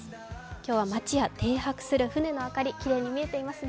今日は街や停泊する船の明かりがきれいに見えていますね。